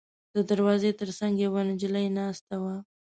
د دروازې تر څنګ یوه نجلۍ ناسته وه.